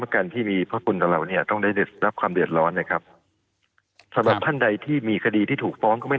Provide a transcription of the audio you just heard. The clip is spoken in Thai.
ค่อยผ่อนนะครับมันจะค่อยหมดไป